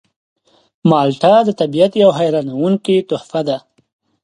مالټه د طبیعت یوه حیرانوونکې تحفه ده.